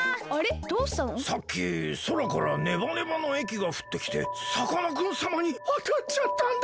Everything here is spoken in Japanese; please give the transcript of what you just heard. さっきそらからネバネバのえきがふってきてさかなクンさまにあたっちゃったんだ！